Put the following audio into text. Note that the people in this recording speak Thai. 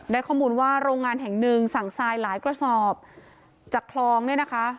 ข้อมูลว่าโรงงานแห่งหนึ่งสั่งทรายหลายกระสอบจากคลองเนี่ยนะคะ